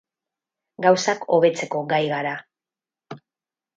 Gauzak hobetzeko gai gara.